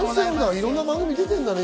いろんな番組に出てるんだね。